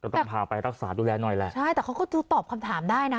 ต้องพาไปรักษาดูแลหน่อยแหละใช่แต่เขาก็จะตอบคำถามได้นะ